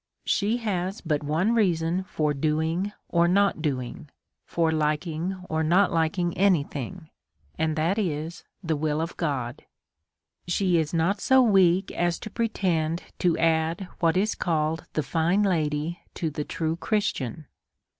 She has but one reason for doing or not doing, for liking or not liking any thing, and that is the wdl of God. She is not so 76 A SERIOUS CALL TO A weak as to pretend to add what is called the fine lady to the true Christian.